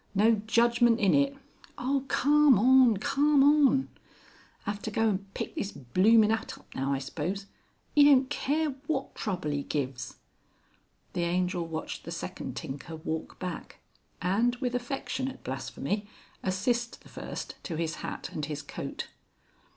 No judgment in it. (Oh! Carm on! Carm on!). 'Ave to go and pick this bloomin' 'at up now I s'pose. 'E don't care, wot trouble 'e gives." The Angel watched the second tinker walk back, and, with affectionate blasphemy, assist the first to his hat and his coat.